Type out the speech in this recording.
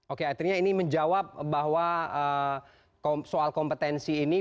oke artinya ini menjawab bahwa soal kompetensi ini